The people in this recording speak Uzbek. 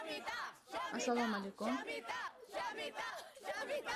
— Ertaga bozor, sigirni sotishga ulgursam, tag‘in to‘rt yuz so‘m topib beraman.